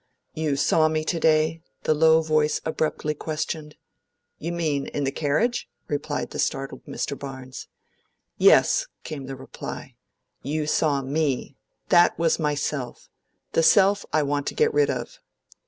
'You saw me today?' the low voice abruptly questioned. 'You mean in the carriage?' replied the startled Mr. Barnes. 'Yes,' came the reply; 'you saw ME that was MYSELF the self I want to get rid of.'